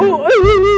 ini ga tau ga tau